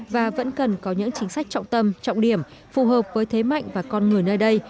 và vẫn cần có những chính sách trọng tâm trọng điểm phù hợp với thế mạnh và con người nơi đây